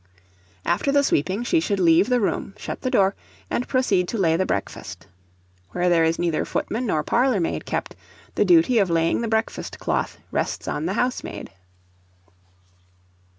After the sweeping she should leave the room, shut the door, and proceed to lay the breakfast. Where there is neither footman nor parlour maid kept, the duty of laying the breakfast cloth rests on the housemaid.